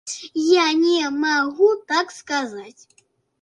Я не магу так сказаць!